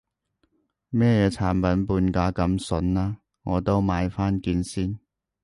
乜嘢產品半價咁筍啊，我都買返件先